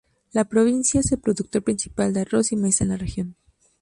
La provincia es el productor principal de arroz y maíz en la región.